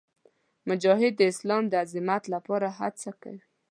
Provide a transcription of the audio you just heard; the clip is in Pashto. مجاهد د اسلام د عظمت لپاره هڅه کوي.